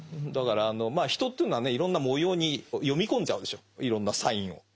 だから人というのはねいろんな模様に読み込んじゃうでしょいろんなサインを。